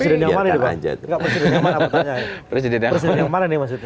sudah nyaman itu dong